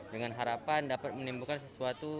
dengan harapan dapat menimbulkan sesuatu